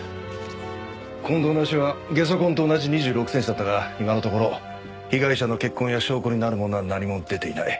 近藤の足はゲソ痕と同じ２６センチだったが今のところ被害者の血痕や証拠になるものは何も出ていない。